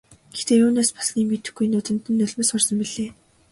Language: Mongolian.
Тэгтэл юунаас болсныг мэдэхгүй нүдэнд нь нулимс хурсан билээ.